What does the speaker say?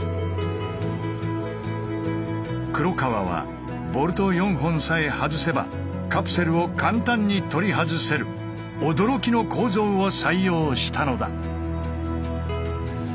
黒川はボルト４本さえ外せばカプセルを簡単に取り外せる驚きの構造を採用したのだ。